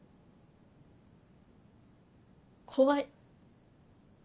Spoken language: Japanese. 怖い。